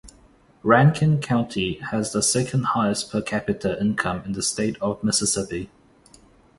Rankin County has the second highest per capita income in the state of Mississippi.